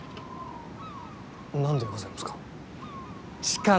何でございますか。